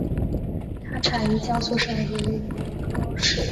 它产于江苏省如皋市。